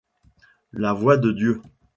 La voix de Dieu.